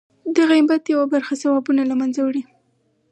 د غیبت یوه خبره ثوابونه له منځه وړي.